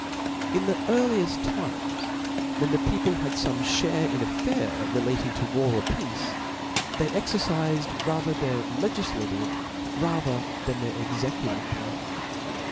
In the earlieft times, when the people had fome iliare in the affairs relating to war or peace^ they exercifed rather their legiQativc than their cxecu^ tive power.